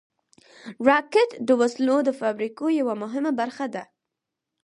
راکټ د وسلو د فابریکو یوه مهمه برخه ده